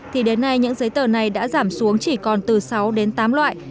thì đến nay những giấy tờ này đã giảm xuống chỉ còn từ sáu đến tám loại